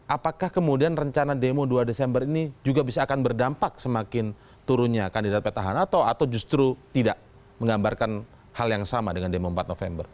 apakah kemudian rencana demo dua desember ini juga bisa akan berdampak semakin turunnya kandidat petahana atau justru tidak menggambarkan hal yang sama dengan demo empat november